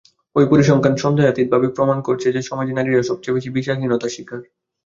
ওই পরিসংখ্যান সন্দেহাতীতভাবে প্রমাণ করছে যে সমাজে নারীরা সবচেয়ে বেশি বিচারহীনতার শিকার।